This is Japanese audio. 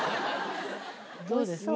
どうですか？